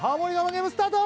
ゲームスタート